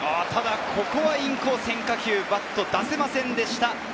ここはインコースへの変化球にバットが出ませんでした。